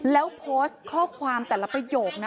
แล้วโพสต์ข้อความแต่ละประโยคนะ